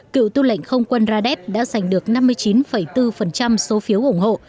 cựu tư lệnh không quân zuman zadev đã giành được năm mươi chín bốn số phiếu ủng hộ